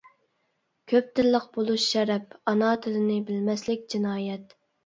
كۆپ تىللىق بولۇش شەرەپ، ئانا تىلىنى بىلمەسلىك جىنايەت!